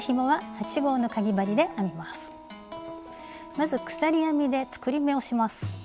まず鎖編みで作り目をします。